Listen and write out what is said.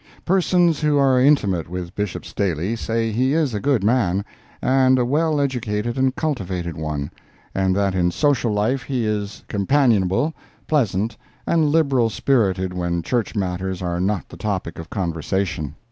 Persons who are intimate with Bishop Staley say he is a good man, and a well educated and cultivated one, and that in social life he is companionable, pleasant and liberal spirited when church matters are not the topic of conversation.